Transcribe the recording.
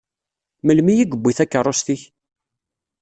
Melmi i yewwi takeṛṛust-ik?